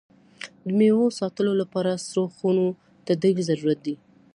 د میوو ساتلو لپاره سړو خونو ته ډېر ضرورت ده.